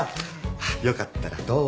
よかったらどうぞって。